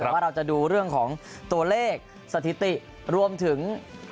แต่ว่าเราจะดูเรื่องของตัวเลขสถิติรวมถึง